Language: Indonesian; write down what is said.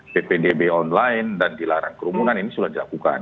ppdb online dan dilarang kerumunan ini sudah dilakukan